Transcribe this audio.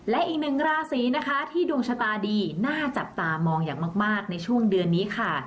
และอีกหนึ่งราศีนะคะที่ดวงชะตาดีน่าจับตามองอย่างมากในช่วงเดือนนี้ค่ะ